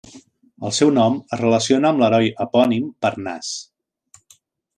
El seu nom es relaciona amb l'heroi epònim Parnàs.